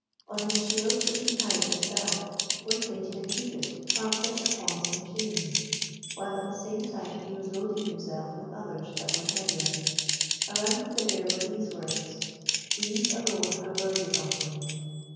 On his shield, which he carried himself, was painted a Cupid trampling upon some chains, while at the same time he was loading himself with others that were heavier. Around the figure were these words: "These alone are worthy of me."